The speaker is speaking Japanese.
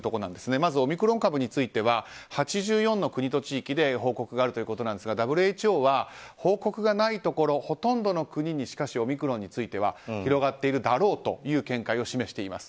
まずオミクロン株については８４の国と地域で報告があるということですがＷＨＯは報告がないところほとんどの国に、しかしオミクロンについては広がっているだろうという見解を示しています。